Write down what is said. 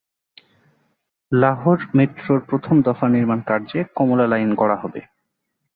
লাহোর মেট্রোর প্রথম দফা নির্মাণ কার্যে কমলা লাইন গড়া হবে।